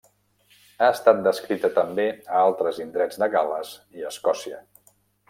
Ha estat descrita també a altres indrets de Gal·les i Escòcia.